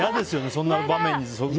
そんな場面に遭遇。